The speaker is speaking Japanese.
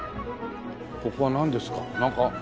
ここはなんですか？